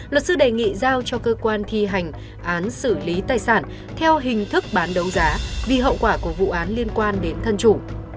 luật sư đề nghị giao cho cơ quan thi hành án xử lý tài sản theo hình thức bán đấu giá vì hậu quả của vụ án liên quan đến thân chủ